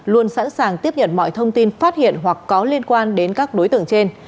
luôn sẵn sàng tiếp nhận mọi thông tin phát hiện hoặc có liên quan đến các đối tượng trên